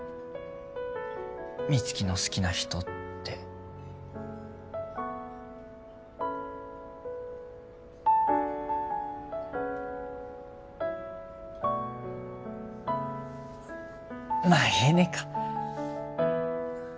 美月の好きな人ってまあ言えねえか